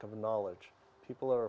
itu kekurangan pengetahuan